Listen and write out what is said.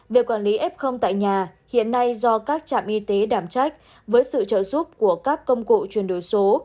việc quản lý f tại nhà hiện nay do các trạm y tế đảm trách với sự trợ giúp của các công cụ chuyển đổi số